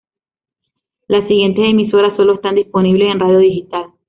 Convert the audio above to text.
Las siguientes emisoras solo están disponibles en radio digital.